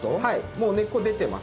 もう根っこ出てます。